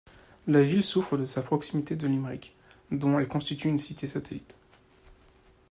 La ville souffre de sa proximité de Limerick, dont elle constitue une cité-satellite.